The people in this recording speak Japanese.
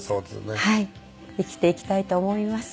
生きていきたいと思います。